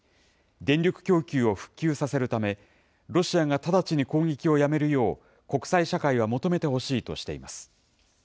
電力供給を復旧させるため、ロシアが直ちに攻撃をやめるよう、国際社会は求めてほしいとしています。